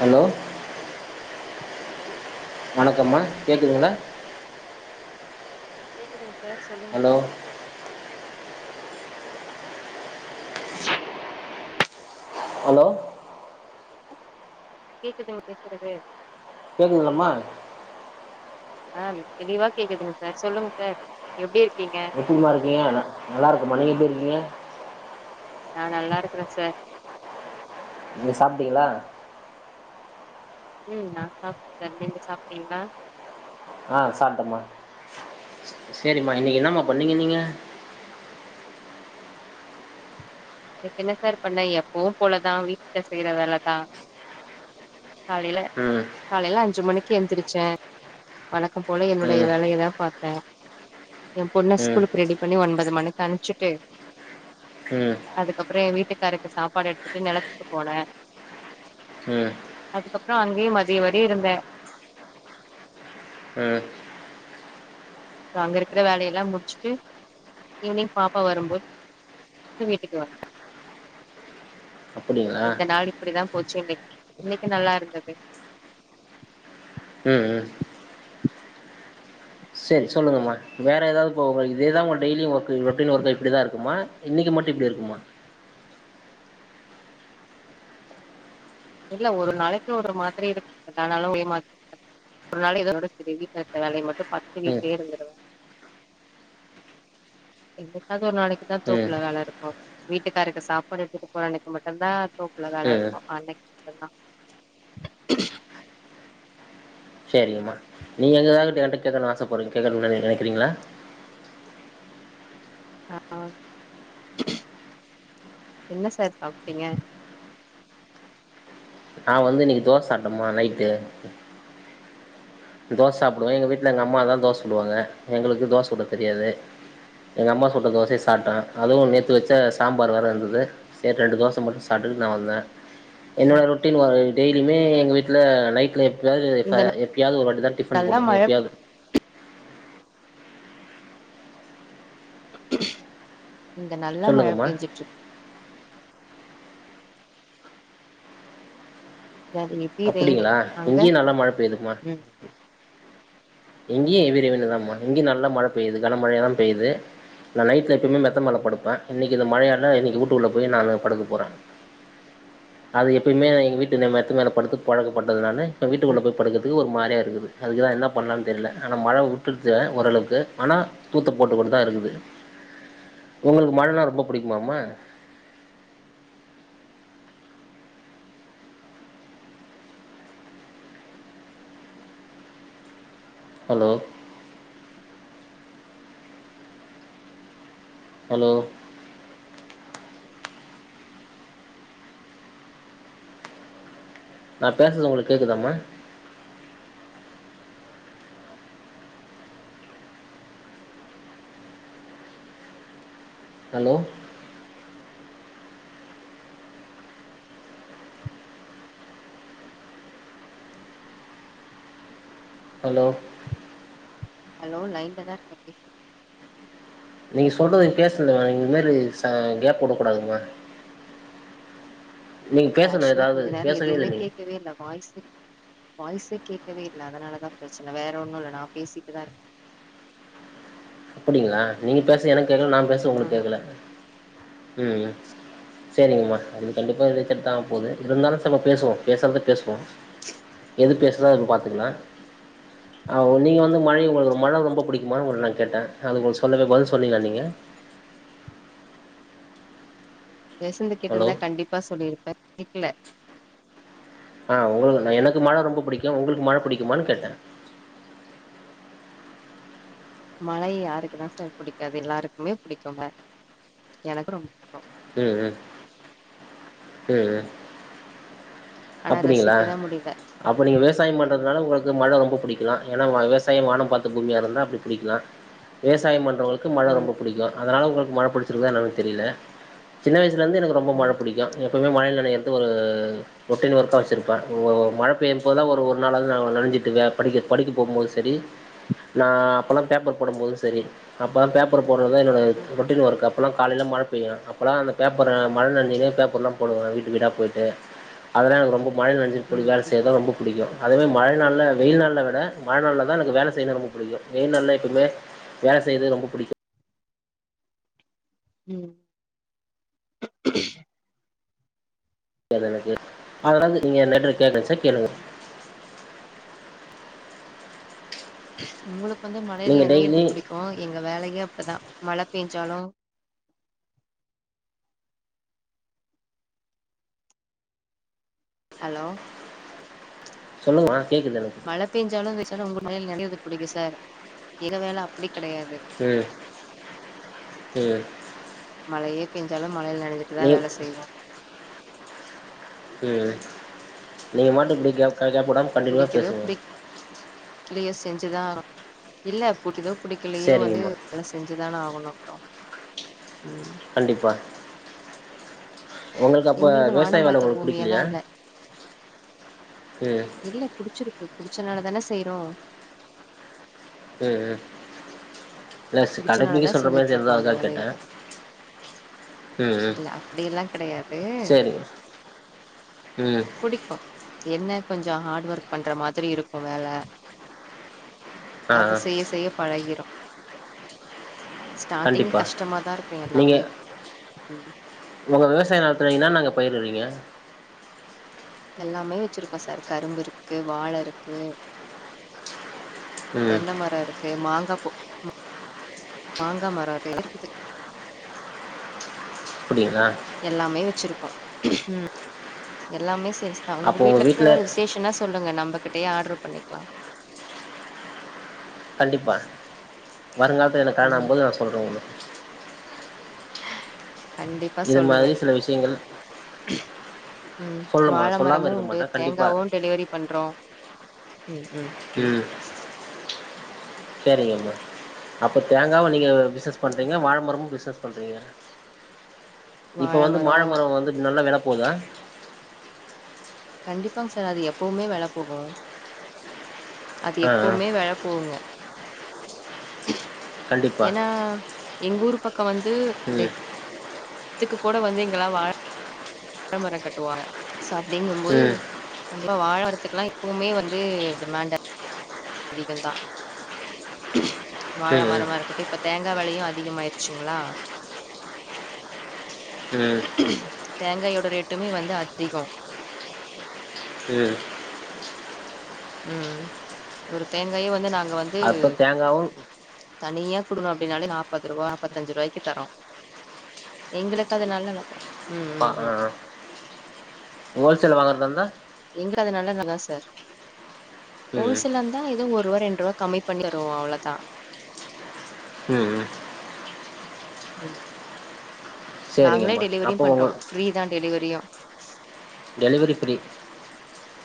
Hello லோ வணக்கம்மா கேக்குங்களா கேக்குதுங்க சார் சொல்லுங்க சார் ஹலோ கேக்குதுங்க பேசுறது கேக்குதுலமா ஆஹ் தெளிவா கேக்குதுங்க சார் சொல்லுங்க சார் எப்படி இரு எப்டி மா இருக்கீங்க நல்லா இருக்க மா நீங்க எப்டி இருக்கீங்க நான் நல்லா இருக்கறேன் சார் நீ சாப்பிட்டீங்களா ம் நான் சாப்பிடேன் நீங்க சாப்பிட்டீங்களா ஆஹ் சாப்பிட்டமா சரிம்மா இன்னைக்கு என்னமா பண்ணீங்க நீங்க எனக்கு என்ன சார் பண்ண எப்பவும் போலதான் வீட்டுல செய்யற வேலைதான் காலையில ம் காலையிலாம் அஞ்சு மணிக்கு எழுந்திரச்சே வழக்கம் போல என்னுடைய ம் வேலையதான் பாக்ரென் என் பொண்ண ம் ஸ்கூலுக்கு ரெடி பண்ணி ஒன்பது மணிக்கு அனுச்சிட்டு உம் அதுக்கப்புறம் என் வீட்டுக்காருக்கு சாப்பாடு எடுத்துட்டு நிலத்துக்கு போனேன் ம் அதுக்கப்புறம் அங்கயும் மதியம் வர இருந்தேன் உம் சோ அங்க இருக்கிற வேலையெல்லாம் முடிச்சுட்டு ஈவினிங் பாப்பா வரும்போது வீட்டுக்கு வந்துடன் [inaudible] இந்த நாள் இப்படிதான் போச்சு இன்னைக்கு இன்னைக்கு நல்லா இருந்தது உஹம் உம் சரி சொல்லுங்கமா வேற ஏதாவதுி ஒர்க இப்படிதான் இருக்குமா இன்னைக்கு மட்டும் இப்படி இருக்குமா இல்ல ஒரு நாளைக்கு ஒரு மாதிரி இருக்க அதனாலும் ஒரே மாதிரி இருக்கது ஒரு நாளை இதோட ச வீட்டு இரு வேலையை மட்டும் பத்துட்டு ம் வீட்டே இருந்துருவேன் என்னைக்காவது ஒரு நாளைக்கு தா ம் தோப்புல வேல இருக்கூ வீட்டுக்காரருக்கு சாப்பாடு எடுத்துட்டு போற அன்னைக்கு மட்டூ தா தோப் புல வேல ம் இருக்கூ அன்னைக்கு மட்டூ தா செரிங்கம்மா நீங்க எதாவது என்கிட்ட கேட்கணுனு ஆசப்பட்றீங்க கேட்கணுன்னு நெனைக்கிறீங்களா ஆ என்ன சார் சாப்ட்டீங்க நான் வந்து இன்னைக்கு தோச சாப்ட்டேமா நைட்டு தோச சாப்டுவோ எங்க வீட்ல எங்க அம்மா தா தோச சுடுவாங்க எங்களுக்கு தோச சுட தெரியாது எங்க அம்மா சுட்ட தோசய சாப்ட்டோ அதுவு நேத்து வச்ச சாம்பார் வேற இருந்தது செரி ரெண்டு தோச மட்டூ சாப்டே இரு நா வந்தே என்னோட அ ரொட்டீன் ஒ டெய்லிமே எங்க வீட்ல நைட்ல இங்க எப்யாவது எப்பயாவது ஒருவாட்டி தா டிஃபன் நல்லா போடு மழ பெ எப்பயாவது இங்க நல்ல மழ சொல்லுங்கம்மா பேஞ்சுட்டுருக்கு அது ஹெவி ரெயினு அப்டிங்களா அங்க இங்கேயு நல்லா மழ பேய்துங்கமா ம் இங்கேயு எவி ரெய்னு தா மா இங்க நல்ல மழ பெய்யுது கன மழயாதா பெய்து நா நைட்ல எப்போயுமே மெத்த மேலே படுப்பே இன்னைக்கி இந்த மழயால இன்னைக்கு வூட்டுக்குள்ளே போய் நானு படுக்க போறே அது எப்யுமே எங்க வீட்டு மெத்த மேல படுத்து பழக்கப்பட்டதுனால எங்க ம் வீட்டுக்குள்ள போய் படுக்குறதுக்கு ஒரு மாரியா இருக்குது அதுக்குதா என்ன ப பண்லானு தெரில ஆனா மழ வுட்டுச்சு ஓரளவுக்கு ஆனா தூத்த போட்டு கொண்டு தாஇருக்குது ஒங்களுக்கு மழனா ரொம்ப புடிக்குமா மா ஹலோ ஹலோ நா பேசுறது ஒங்களுக்கு கேக்குதா மா ஹலோ ஹலோ ஹலோ லைன்ல தா இருக்கே பேசு நீ சொல்றது பேசுங்கமா இது மாரி ச கேப் விடக்கூடாதுமா இது ஆக்சுவலா ஏதாவது கொஞ்சோ நேரோ பேசவே இல்லை எதுவுமே நீங்க கேட்கவே இல்ல வாய்ஸே வாய்ஸே கேட்கவே இல்ல அதனாலதா ப்ரச்சன வேற ஒன்னு இல்ல நா பேசிட்டு தா இருக்கே அப்டிங்களா நீங்க பேச எனக்கு கேக்கல நா பேசறது உங்களுக்கு ஆமா கேக்கல உம் செரிங்கம்மா அது கண்டிப்பா ரிஜெக்ட் தா ஆக போது இருந்தாலு பேசுவோ பேசுறத பேசுவோ எது பேச என்ன ஏதுன்னு பாத்துக்குலா நீங்க வந்து மழை உங்களுக்கு மழ ரொம்ப புடிக்குமான்னு உங்கள்ட்ட நா கேட்டே அது கொஞ்சோ சொல்லுங்க பதில் சொன்னீங்களா நீங்க பேசுறது ஹலோ கேட்டிருந்தா கண்டிப்பா சொல்லிருப்பே கேக்கல ஆஹ் உங்களுக்கு எனக்கு மழ ரொம்ப புடிக்கூ உங்களுக்கு மழ புடிக்குமானு கேட்டே மழை யாருக்கு தா சார் புடிக்காது எல்லாருக்குமே புடிக்கூ எனக்கு ரொம்ப புடிக்கு உம் உம் உம் உம் ஆனா அப்டிங்களா ரசிக்கதா முடியல அப்ப நீங்க விவசாயோ ம் பண்றதுனால உங்களுக்கு மழ ரொம்ப புடிக்கலா ஏன்னா விவசாயம் வானோ பாத்த பூமியாருந்தா அப்டி புடிக்கலா விவசாயம் பண் றோங்களுக்கு மழ ரொம்ப ம் பிடிக்கூ அதனால் உங்களுக்கு மழ புடிச்சிருக்கா என்னானு தெரில சின்ன வ லந்தே எனக்கு ரொம்ப மழ ம் புடிக்கூ எப்போமே மழைல நெனை ரொட்டீன் ஒர்க்கா வச்சிருப்பே ஒ மழ பெய்யூ போதுலா ஒரு ஒருநாளாவது நா நெனஞ்சிடுவே படிக்க படிக்க போம்போது செரி நா அப்பெல்லா பேப்பர் போடூபோது செரி அப்பெல்லா பேப்பர் போட்றது தா என்னோட ம் ரொட்டீன் ஒர்க் அப்பெல்லா காலைல மழ பெய்யு அப் அப்போலா அந்த பேப்பர்ர மழைல நெனஞ்சுனே பேப்பர்லா போடுவாங்க வீட்டு வீடா போய்ட்டு அதெல்லா எனக்கு ரொம்ப மழைல நெனஞ்சப்படி ம் வேல ம் செய்ய தா ரொம்ப புடிக்கூ அதேமாரி மழநாள்ல வெயில் நாள்ல விட மழநாள்ல தா எனக்கு வேல செய்ய ரொம்ப பிடிக்கூ வெயில்நாள்ல எப்பயுமே வேல செய்றது ரொம்ப பிடிக் உம் தெரியாது எனக்கு அதாவ்து நீங்க என் நடு கேட்குச்சா கேளுங்க ம் உங்களுக்கு வந்து மழைலே நீங்க நெனைறது டெய்லி புடிக்கு எங்க வேலயே அப்பதா மழ பெஞ்சாலு ஹலோ சொல்லுங்க மழ பேஞ்சாலும் வச்சாலு உங்கள் மேல் நெனைறது பிடிக்கு சார் எகவேல அப்டி கெடையாது ம் ம் மழயே பெஞ்சாலும் மழைல நெனஞ்சுட்டுதா நீ வேல செய்வோ உம் நீங்க மாட்டு பிடிக்க கஜாப்புடம் கண்டினியூவா புடிக்குதோ பேசுவோ புடிக்கலையோ செஞ்சுதா ஆ இல்ல புடிக்குதோ புடிக்கலயோ வந்து சரிங்கம்மா அதெல்லா செஞ்சுதான ஆகணு ஹலோ வச்சிறா உம் கண்டிப்பா உங்களுக்கு அப்ப எங்களுது விவசாய வானம் வேல பாத்த உங்களுக்கு பூமி எல்லா புடிக்கலையா இல்ல ம் இல்ல புடிச்சிருக்கு புடிச்சனாலதான செய்றோ உம் உம் இல்ல சி கடமிக்கி புடிச்சனாலதா சொல்ற மாரி செஞ்சுட்ருக்கோ தெரிதா அந்த அதா வேலைய கேட்டே ம் ம் இல்ல அப்டியெல்லா கெடையாது சேரிங்க ம் புடிக்கு என்ன கொஞ்சோ ஹார்டு ஒர்க் பண்ற மாதிரி இருக்கு வேல ஆ அது ஆ செய்ய செய்ய பழகிரு ஸ்டார்டிங்கு கண்டிப்பா கஷ்டமாதா இருக்கு நீங்க எல்லாமே ம் தே நடத்துறீங்கனா நாங்க போயிடுறீங்க எல்லாமே வச்சிருக்கோ சார் கரும்பு இருக்கு வாழ இருக்கு ம் தென்னை மர இருக்கு மாங்கா மாங்க மர [inaudible] இருக்குது அப்டிங்களா எல்லாமே வச்சிருக்கோ ம் எல்லாமே ஸ் கிற்ஸ் தா உங்க வீட்ல [inaudible] ஏதாவது விசேஷ்னா சொல்லுங்க நம்ம கிட்டயே ஆர்டரு பண்ணிக்கலா கண்டிப்பா வருங்காலத்துல எனக்கு கல்ணாகு ம் போது நா சொல்றோ உங்க கண்டிப்பா இது சொல்லுங்க மாதிரி சில விஷயங்கள் ம் சொல்லுமா வாழ சொல்லாம மரமு இருக்க உண்டு மாட்டே கண்டிப்பா தேங்காவு டெலிவெரி பண்றோ ம் ம் ம் செரிங்கம்மா அப்ப தேங்காவு நீங்க பிசினஸ் பண்றீங்க வாழமரமு பிசினஸ் பண்றீங்க இப்ப வாழ வந்து மரோ மாழ மரம் வந்து நல்ல வெல போதா கண்டிப்பாங்க சார் அது எப்பவுமே வெல போகு அது ஆ ஆ எப்பவுமே வெல போகுங்க கண்டிப்பா ஏன்னா எங்க ஊரு பக்கோ வந்து ம் டெத் த்துக்கு கூட வந்து இங்கெல்லா வாழ வாழமர கட்டுவாங்க சோ அப்டிங்குபோது ம் கண்டிப்பா வாழ மரத்துக்கெல்லா எப்பவுமே வந்து டிமாண்டு அதிக தா வாழ ம் மரமா இருக்கட்டு இப்ப தேங் கா வெலயு அதிகமாயிடுச்சுங்களா ம் தேங்காயோட ரேட்டுமே வந்து அதிகோ ம் ம் ஒரு தேங்காயே வந்து நாங் அப்ப தேங்காவு தனியா குடுணோ அப்டினாலே நாப்பது ரூபா நாப்பத்தஞ்சு ருவாய்க்கி தரோ எங்களுக்கு அது நல்லா லாபோ ம் ஆ ம் ஆ ம் ஆ ஹோல்சேல வாங்கறதாந்தா சார் ம் ஹோல்சேல்ல இருந்தா ஏதோ ஒரு ரூவா ரெண்டு ரூபா கம்மி பண்ணி வருவோம் அவ்ளவுதா ம் ம் ம். நாங்களே சரிங்கம்மா டெலிவரியும் அப்போ பண்றோம் உங்கள் ஃப்ரீதான் டெலிவரியு டெலிவரி ப்ரீ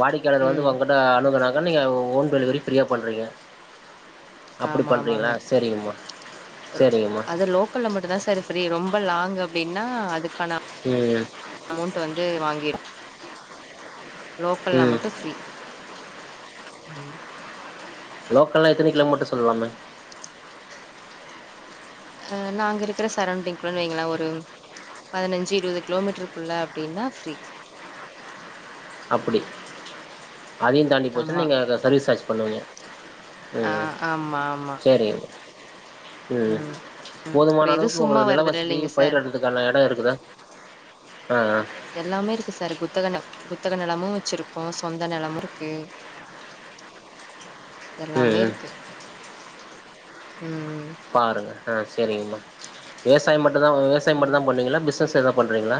வாடிக்கையாளர் வந்து ம் உங்கிட்ட எஸ். அணுகனாங்க நீங்க ஒன். டெலிவரி ஃப்ரீயா பண்றீங்க. அப்படி ஆமா பண்றீங்களா ஆமாங்க சரிங்கம்மா ரொ சரிங்கம்மா. அது லோக்கல்ல மட்டுந்தா சார் ரொம்ப லாங் அப்படின்னா அதுக்கான. ம் அமௌன்ட் வந்து வாங்கி லோக்கல்ன்னா ம் மட்டும் ஃப்ரீ ம் லோக்கல்லல்லா எத்தன கிலோமீட்டர்ன்னு சொல்லாமே அ நாங்க இருக்கிற சரௌண்டிங் குள்ளு வைங்கள ஒரு பதினஞ்சு இருபது கிலோமீட்டருக்குள்ள அப்படின்னா ஃப்ரீ அப்படி அதையும் தாண்டி போச்சுன்னா ஆமா நீங்க சர்வீஸ் சார்ஜ் பண்ணுவிங்க ஆ ம் ம் ஆமா ஆமா சரி ம் ம் அப்றோ போதுமான எது அளவுக்கு சும்மா உங்களுக்கு நில வருதுல வசதி இல்லைங்க பயிர சார் எடுறதுக்கான இடம் இருக்குதா ஆ ஆ எல்லாமே இருக்கு சார் குத்தக குத்தக நிலமும் வச்சிருக்கோ சொந்த நிலமும் இருக்கு [inaudible] ம் எல்லாமே ம் இருக்கு ம் பாருங்க ஆ சரிங்கம்மா விவசாய மட்டுந்தா விவசாயம் ம் மட்டுந்தா பண்ணீங்களா பிசினஸ் எத பண்றீங்களா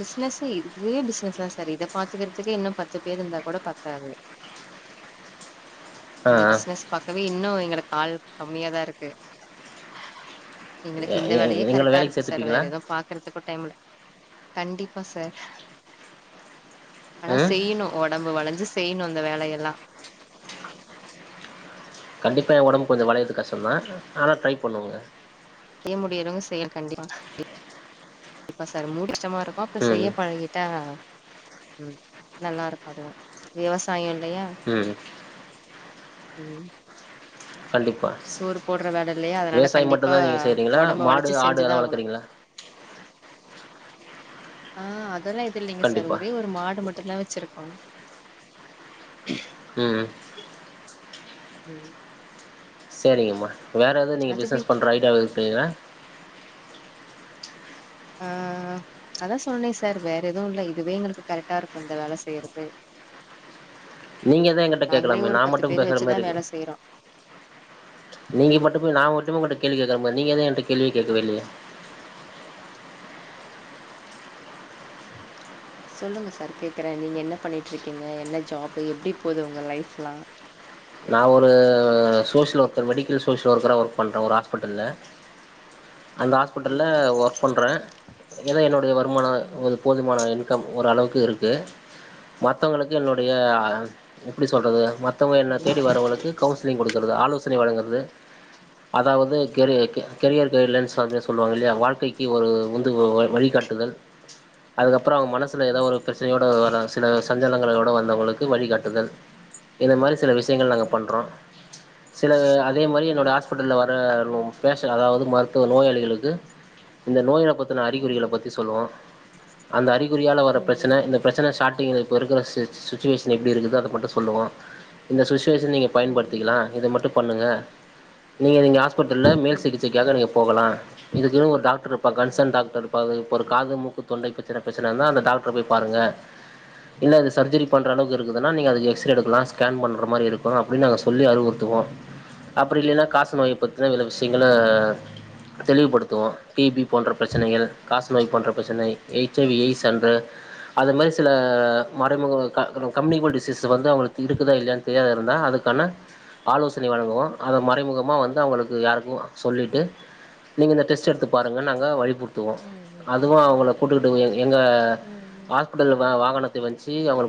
பிசினஸ் இதே பிசினஸ் தா சார் இத பாத்துக்கறதுக்கே இன்னு பத்து பேர் இருந்தா கூட பத்தாது [inaudible] இந்த ஆ பிசினஸ் ப கவே இன்னு எங்களுக்கு ஆள் கம்மியா தா இருக்கு எங்களுக்கு எ இந்த எ வேலயே எங்கள கரெக்டா வேலைக்கு இருக்கு சார் வேற சேத்துப்பீங்களா எதவு பாக்குறதுக்கு டைம் கண்டிப்பா சார் ஆனா ம் செய்யணு ஒ டம்பு வளஞ்சு செய்யணு அந்த வேலயெல்லா கண்டிப்பாக ஏ ஒடம்பு கொஞ்ச வளயது கஷ்டந்தா ஆனா ட்ரை பண்ணுவோங்க அத முடியறவங்க செயல் கண்டிப்பா [inaudible] கண்டிப்பா சார் முடி கச்சமா இருக்கு அப்பற ம் செய்ய பழகிட்டா ம் நல்லாருக்கு அதுவு விவசாய ம் ம் கண்டிப்பா சோறு போடுற வேல இல்லையா அதனால விவசாய கண்டிப்பா மட்டுந்தா நீங்க செய்யறீங்களா ஒடம்ப மாடு வளச்சு ஆடு செஞ்சுதா எல்லா ஆகணு வளக்குறீங்களா ஆ அதெல்லா இது இல்லைங்க சார் கண்டிப்பா ஒரே ஒரு மாடு மட் டுதா வச்சிருக்கோ ம் ம் சரிங்கம்மா வேறு எது நீங்க அது பிஸ்னஸ் வீட் பண்ற ஐடியால இருக்கீங்கள அ ஆ அதா சொன்னனே சார் வேற எதுவு இல் இதுவே எங்களுக்கு கரெக்டா இருக்கு இந்த வேலை செய்யறது நீங்கதான் எங்க்கிட்ட நாங்களே கேட்கலாமே ஒரு நான் பத்து மட்டும் பேர் பேசுற வச்சுதா மாதிரி இருக்கு வேல செய்யறோ நீங்க மட்டுமே நா மட்டுமே ஒங்கிட்ட கேள்வி கேட்கற மாரி நீங்க எது ஏங்கிட்ட கேள்வி கேக்கவே இல்லயே சொல்லுங்க சார் கேக்குறே நீங்க என்ன பண்ணிட்ருக்கீங்க என்ன ஜாப்பு எப்டி போது உங்க லைஃப்ல்லா நா ஒரு சோசியல் ஒர்க்கர் மெடிக்கல் சோஷியல் ஒர்க்கராக ஒர்க் பண்றே ஒரு ஹாஸ்பிட்டல்ல அந்த ஹாஸ்பிட்டல்ல ம் ஒர்க் பண்றே ஏதா என்னுடைய வருமான ம் ஒரு போதுமான இன்கம் ஒரு அளவுக்கு இருக்கு மத்தவங்களுக்கு என்னுடைய அ எப்டி சொல்றது ம த்தவங்க என்ன தேடி வரவங்களுக்கு கவுசிலி்ங் குடுக்கறது ஆலோச சனை வழங்குறது அதாவது கெரி கெரியர் கைட்லைன்ஸ் [unintelligible] சொல்லுவாங்க இல்லைய வாழ்க்கக்கு ஒரு உந்துகோ வழிகாட்டுதல் அதுக்கப் அப்பறஅவங்க மனசுல ஏதாவ ஒரு பிரச்சனையோட வர சில சஞ்சலங்களோட வந்தவங்களுக்கு வழிகாட்டுதல் இந்த மாரி சில விஷயங்கள் நாங்க பண்றோ சில அதே மாரி என்னோடைய ஹாஸ்பிட்டல்ல பேஷல் அதாவது மருத்துவ நோயாளிகளுக்கு இந்த நோயின பத் தன அறிகுறிகள ம் பத்தி சொல்லுவோ அந்த அறிகுறியால வர ம் பிரச்சனை இந்த பிரச்சனை ஷார்ட் எங்க இருக்கிற சுச் சுச்சுவேஷன் எப்டி இருக்குதோ அத மட்டு சொல்லுவோ இந்த சுச்சுவேஷ் ச்சுவேசன் நீ ம் ம் பயன்படுத்திக்கலா இத மட்டு பண்ணுங்க நீங்க ஹாஸ்பபிட்டல்ல ம் மேல் ம் சிகிச்சைகாக நீங்க போகலா இதுக்குன்னு ஒரு டாக்டர் இருப்பா கன்சர்ன் டாக்டர்ரு இப்போ இப்போ ஒரு காது மூக்கு தொண்டை பிரச்சன பேச்சனை இருந்தா அந்த டாக்டர போய் பாருங்க இல்ல இது சர்ஜரி பண்ற அளவுக்கு இருக்குதுன்னா நீங்க அதுக்கு ம் எக்ஸ்ரே ம் எடுக்கலா கேன் பண் மாரி இருக்கு அப்டின்னு நாங்க சொல்லி அறிவுறுத்துவோ அப்டி இல்லைன்னா காச நோய் பத்தினா வில ம் ம் விஷயங்கள தெளிவுபடுத்துவோ டி பி போன்ற பிரச்சனைகள் காச நோய் போன்ற பிரச்சனை எ ஹெச் ஐ வி ஐஸ்ன்று அது மாதிரி சில மறைமுக கம்யூனல் டிசீஸ் வந்து அவங்களுக்கு இருக்குதா இல்ல தெரியா இருந்தா அதுக்கான ஆலோசனை வழங்குவோம் அதை மறைமுகமாக வந்து அவங்களுக்கு யாருக்கும் சொல்லிவிட்டு ம் நீங்கள் இந்த டெஸ்ட்ட் எடுத்து பாருங்க நாங்கள் வழிபடுத்துவோம் ம் அதுவும் அவங்க கூட்டுக்கிட்டு எங்க ம் ம் ஹாஸ்பிட்டல் வாகனத்தை வச்சு அவங்க